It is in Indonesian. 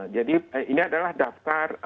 jadi ini adalah daftar